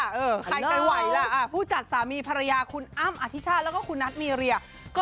ใครใจไหวล่ะผู้จัดสามีภรรยาคุณอ้ำอธิชาติแล้วก็คุณนัทมีเรีย